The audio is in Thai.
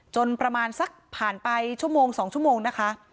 ประมาณสักผ่านไปชั่วโมง๒ชั่วโมงนะคะ